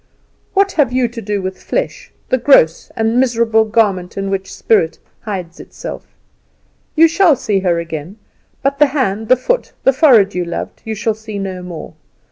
"What have you to do with flesh, the gross and miserable garment in which spirit hides itself? You shall see her again. But the hand, the foot, the forehead you loved, you shall see no more.